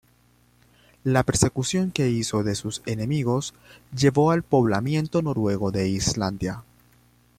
La persecución que hizo de sus enemigos llevó al poblamiento noruego de Islandia.